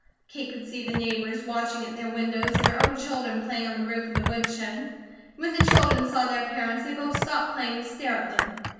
Kate could see the neighbours watching at their windows, and her own children playing on the roof of the woodshed. When the children saw their parents, they both stopped playing to stare at them.